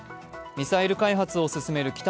ミサイル開発を進める